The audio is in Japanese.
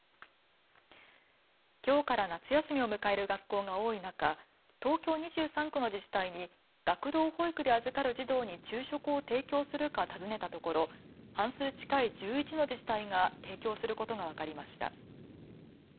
きょうから夏休みを迎える学校が多い中、東京２３区の自治体に学童保育で預かる児童に昼食を提供するか尋ねたところ半数近い１１の自治体が提供することが分かりました。